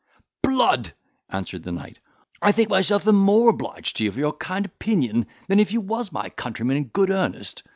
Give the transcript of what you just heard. "Blood!" answered the knight, "I think myself the more obliged to you for your kind opinion, than if you was my countryman in good earnest.